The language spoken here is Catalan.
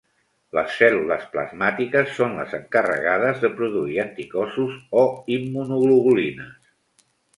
Les cèl·lules plasmàtiques són les encarregades de produir anticossos o immunoglobulines.